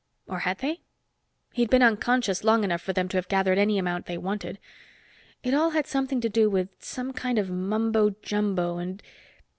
Or had they? He'd been unconscious long enough for them to have gathered any amount they wanted. It all had something to do with some kind of mumbo jumbo, and....